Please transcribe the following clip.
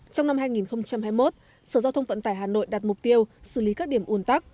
trong năm hai nghìn hai mươi một sở giao thông vận tải hà nội đặt mục tiêu xử lý các điểm ủn tắc